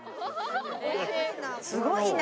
すごいな。